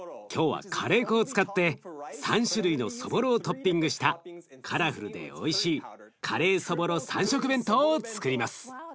今日はカレー粉を使って３種類のそぼろをトッピングしたカラフルでおいしいカレーそぼろ三色弁当をつくります！